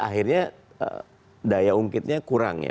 akhirnya daya ungkitnya kurang ya